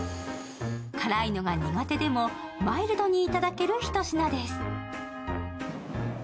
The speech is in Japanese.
辛いのが苦手でも、マイルドにいただける一品です。